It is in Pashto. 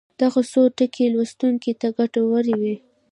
دغه څو ټکي لوستونکو ته ګټورې وي.